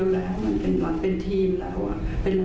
ซึ่งคุณแม่ก็ยินยัน๑๐๐แล้วค่ะ